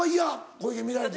小池見られて。